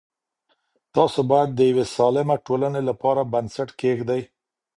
تاسو باید د یوې سالمه ټولنې لپاره بنسټ کېږدئ.